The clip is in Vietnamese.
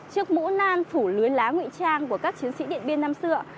trước mũ nan phủ lưới lá ngụy trang của các chiến sĩ điện biên năm xưa